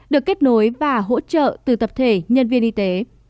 được kết nối và hỗ trợ từ tập thể nhân viên y tế